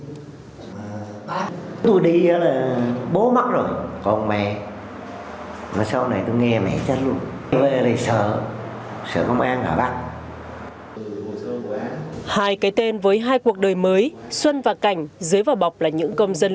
hai cái tên với hai cuộc đời mới xuân và cảnh dưới vào bọc là những công dân lương tâm